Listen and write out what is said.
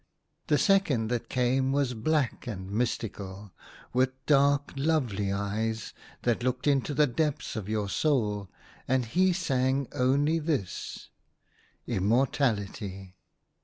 The second that came was black and mystical, with dark, lovely eyes, that looked into the depths of your soul, and he sang only this —" Immortality